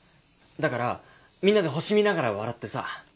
だからみんなで星見ながら笑ってさ。